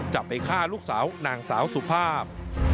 จะไปฆ่าลูกสาวนางสาวสุภาพ